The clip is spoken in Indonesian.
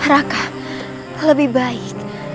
raka lebih baik